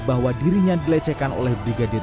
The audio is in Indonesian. bahwa dirinya dilecehkan oleh brigadir